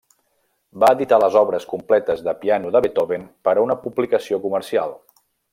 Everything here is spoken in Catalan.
Va editar les obres completes de piano de Beethoven per a una publicació comercial.